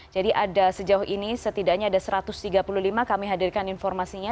jadi ada sejauh ini setidaknya ada satu ratus tiga puluh lima kami hadirkan informasinya